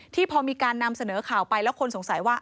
พอมีการนำเสนอข่าวไปแล้วคนสงสัยว่า